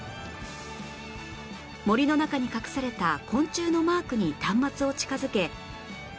森の中に隠された昆虫のマークに端末を近づけ